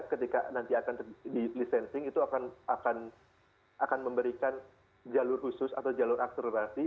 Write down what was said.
ketika nanti akan di licensing itu akan memberikan jalur khusus atau jalur akselerasi